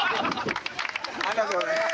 ありがとうございます。